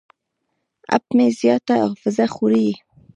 اپ مې زیاته حافظه خوري.